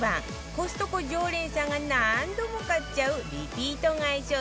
コストコ常連さんが何度も買っちゃうリピート買い商品